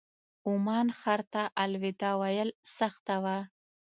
عمان ښار ته الوداع ویل سخته وه.